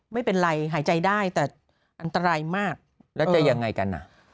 ไม่เป็นไรหายใจได้แต่อันตรายมากแล้วจะยังไงกันอ่ะ